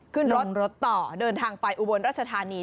ขึ้นรถรถต่อเดินทางไปอุบลรัชธานี